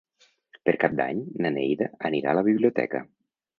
Per Cap d'Any na Neida anirà a la biblioteca.